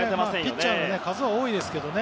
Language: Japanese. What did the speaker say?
ピッチャーの数は多いですけどね